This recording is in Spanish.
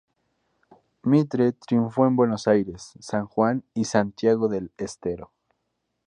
Mitre triunfó en Buenos Aires, San Juan y Santiago del Estero.